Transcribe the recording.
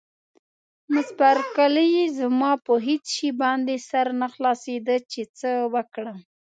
مس بارکلي: زما په هېڅ شي باندې سر نه خلاصېده چې څه وکړم.